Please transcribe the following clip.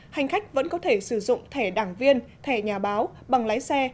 hành khách vẫn có thể sử dụng thẻ đảng viên thẻ nhà báo bằng lái xe